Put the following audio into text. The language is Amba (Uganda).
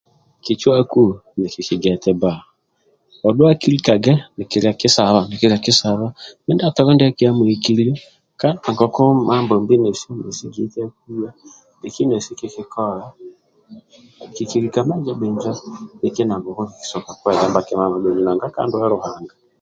Kicuwaku nikikigia eti bba, odhuwe kilikage nikilia kisaba mindia toli ndiaki amuhikilio, bhikili nesi kikikola